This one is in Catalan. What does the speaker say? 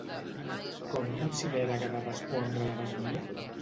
Com considera que ha de respondre la batllia?